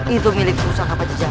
itu milikku sahabat jejak